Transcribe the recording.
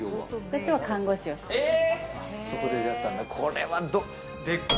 私は看護師をしています。